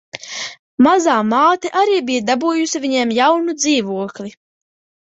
Mazā māte arī bija dabūjusi viņiem jaunu dzīvokli.